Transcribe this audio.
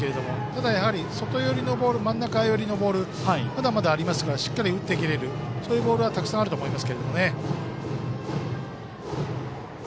ただやはり、外寄りのボール真ん中寄りのボールまだまだ、ありますからしっかり打ってこれるそういうボールがたくさんあると思います。